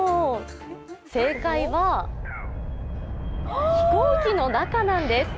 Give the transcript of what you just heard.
正解は飛行機の中なんです。